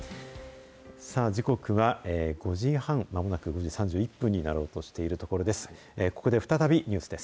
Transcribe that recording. さあ、時刻は５時半、まもなく５時３１分になろうとしているところです。